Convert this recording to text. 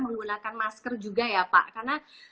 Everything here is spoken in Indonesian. menggunakan masker juga ya pak karena